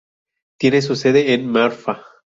Tiene su sede en Marfa.